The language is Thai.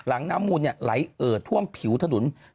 หลังน้ำมูลไหลเอิดท่วมผิวถนุน